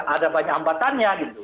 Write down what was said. ada banyak hambatannya gitu